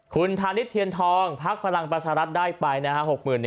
คุณธานิทเทียนทองพักพลังประชารัฐได้ไปนะฮะ